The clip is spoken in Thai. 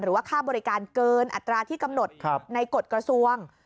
ค่าบริการเกินอัตราที่กำหนดในกฎกระทรวง